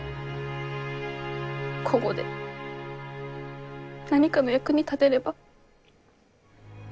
こごで何かの役に立てれば。